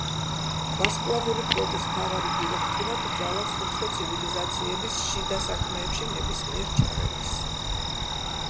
ვარსკვლავური ფლოტის მთავარი დირექტივა კრძალავს უცხო ცივილიზაციების შიდა საქმეებში ნებისმიერ ჩარევას.